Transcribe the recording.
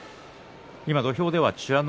土俵では美ノ